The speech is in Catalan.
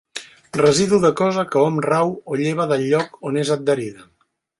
Residu de cosa que hom rau o lleva del lloc on és adherida.